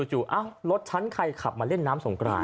รถฉันใครขับมาเล่นน้ำสงกราน